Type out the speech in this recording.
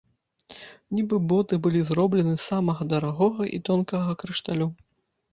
Нібы боты былі зроблены з самага дарагога і тонкага крышталю.